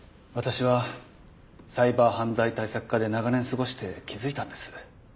私はサイバー犯罪対策課で長年過ごして気づいたんです。